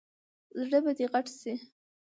زړه به دې غټ شي !